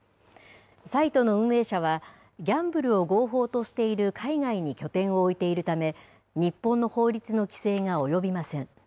サイトの運営者はギャンブルを合法としている海外に拠点を置いているため、日本の法律の規制が及びません。